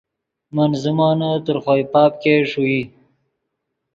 من زیمونے تر خوئے پاپ ګئے ݰوئے